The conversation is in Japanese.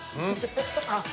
あっ！